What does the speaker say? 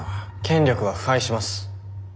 権力は腐敗します。